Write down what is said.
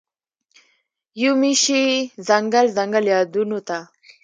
یومي شي ځنګل، ځنګل یادونوته